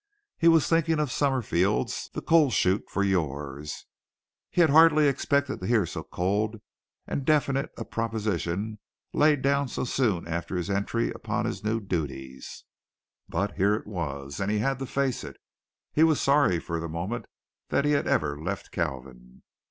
He was thinking of Summerfield's "the coal shute for yours." He had hardly expected to hear so cold and definite a proposition laid down so soon after his entry upon his new duties, but here it was, and he had to face it. He was sorry for the moment that he had ever left Kalvin.